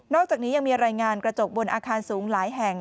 อกจากนี้ยังมีรายงานกระจกบนอาคารสูงหลายแห่ง